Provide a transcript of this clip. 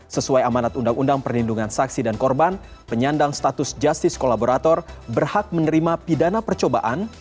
sesuai amanat undang undang perlindungan saksi dan korban penyandang status justice kolaborator berhak menerima pidana percobaan